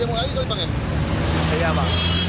sekarang ada demo lagi kali bang ya